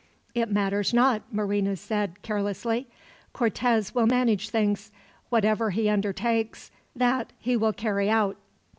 "It matters not," Marina said, carelessly. "Cortez will manage things. Whatever he undertakes, that he will carry out."